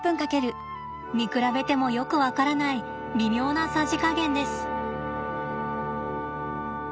見比べてもよく分からない微妙なさじ加減です。